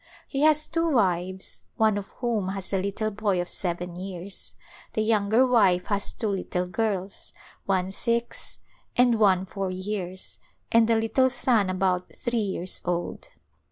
He has two wives, one of whom has a little boy of seven years ; the younger wife has two little girls, one six and one four years, and a little son about three years old.